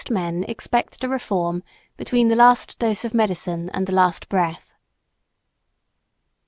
Most men expect to "reform" between the last dose of medicine and the last breath.